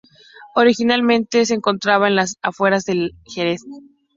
Originalmente se encontraba en las afueras de Jerez.